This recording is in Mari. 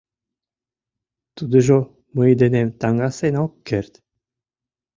Тудыжо мый денем таҥасен ок керт...